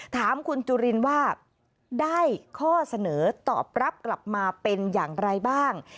ถามคุณจุลินว่าได้ข้อเสนอตอบรับกลับมาเป็นอย่างไรบ้าง